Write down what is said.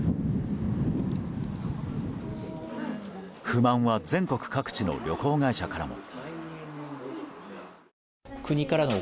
不満は全国各地の旅行会社からも。